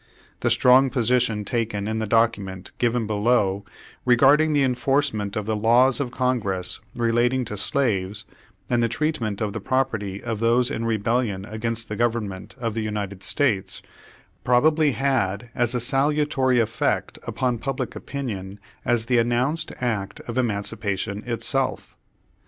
The strong position taken in the document given below regarding the enforcement of the laws of Congress relating to slaves, and the treatment of the property of those in rebellion against the Government of the United States, probably had as salutary effect upon pub lic opinion as the announced act of emancipation itself.